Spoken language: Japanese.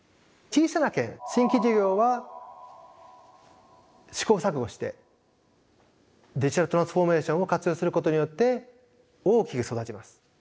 小さな剣新規事業は試行錯誤してデジタルトランスフォーメーションを活用することによって大きく育ちます。